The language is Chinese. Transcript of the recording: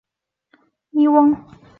拉热伊翁。